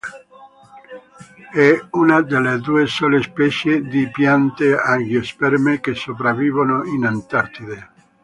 È una delle due sole specie di piante angiosperme che sopravvivono in Antartide.